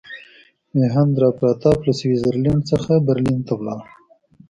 میهندراپراتاپ له سویس زرلینډ څخه برلین ته ولاړ.